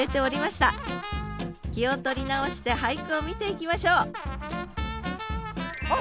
気を取り直して俳句を見ていきましょうあっ